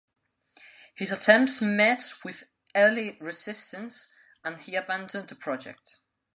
His attempts met with early resistance, and he abandoned the project.